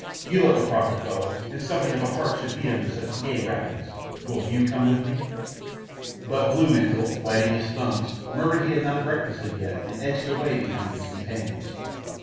you look a proper fellow, and something of a heart should beat under such gay wrappings, will you come with me?" But blue mantle, biting his thumbs, murmured he had not breakfasted yet and edged away behind his companions.